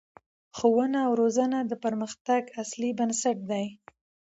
ښوونه او روزنه د پرمختګ اصلي بنسټ دی